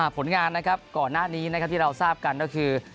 ผลงานก่อนหน้านี้ที่เราทราบกันก็คือ